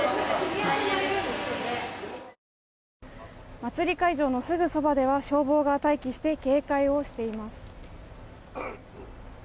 祭り会場のすぐそばでは消防が待機して警戒をしています。